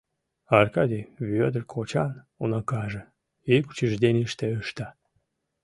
Аркадий, Вӧдыр кочан уныкаже, ик учрежденийыште ышта.